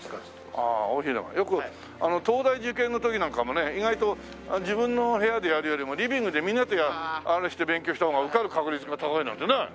よく東大受験の時なんかもね意外と自分の部屋でやるよりもリビングでみんなと勉強したほうが受かる確率が高いなんてね言ってました。